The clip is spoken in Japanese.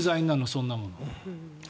そんなの。